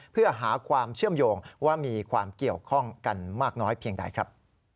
เพื่อหาความเชื่อมโยงว่ามีความเกี่ยวข้องกันมากน้อยเพียงใดครับ